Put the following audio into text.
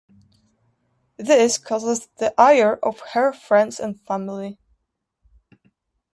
This causes the ire of her friends and family.